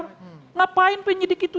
kenapa penyelidik itu